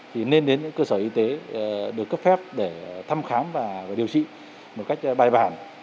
thì nên đến những cơ sở y tế được cấp phép để thăm khám và điều trị một cách bài bản